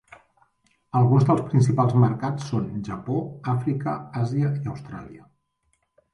Alguns del principals mercats són Japó, Àfrica, Àsia i Austràlia.